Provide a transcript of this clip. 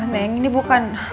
neng ini bukan